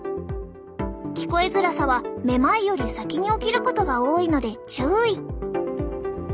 聞こえづらさはめまいより先に起きることが多いので注意！